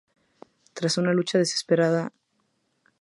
Tras una lucha desesperada, Neoptólemo fue muerto por Eumenes.